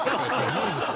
何ですか。